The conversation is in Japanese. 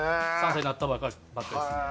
３歳になったばっかりですね。